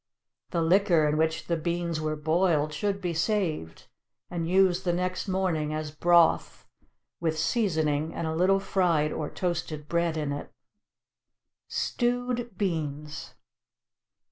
The liquor in which the beans were boiled should be saved, and used the next morning as broth, with seasoning and a little fried or toasted bread in it. =Stewed Beans.